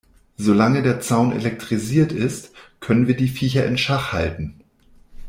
Solange der Zaun elektrisiert ist, können wir die Viecher in Schach halten.